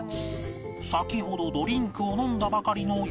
先ほどドリンクを飲んだばかりの良純は